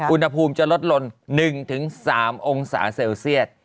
อุณหภูมิจะลดลง๑๓องศาเซลเซียต